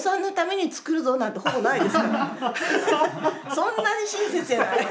そんなに親切じゃない。